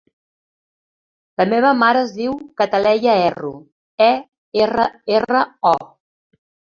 La meva mare es diu Cataleya Erro: e, erra, erra, o.